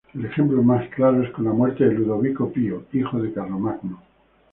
El ejemplo más claro es con la muerte de Ludovico Pío, hijo de Carlomagno.